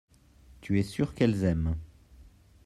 tu es sûr qu'elles aiment.